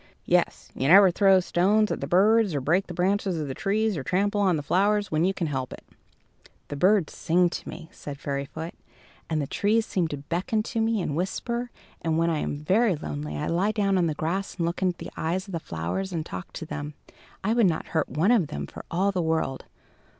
"Yes; you never throw stones at the birds, or break the branches of the trees, or trample on the flowers when you can help it." "The birds sing to me," said Fairyfoot, "and the trees seem to beckon to me and whisper; and when I am very lonely, I lie down in the grass and look into the eyes of the flowers and talk to them. I would not hurt one of them for all the world!"